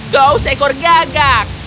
kau seekor gagak